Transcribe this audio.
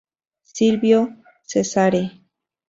Silvio Cesare.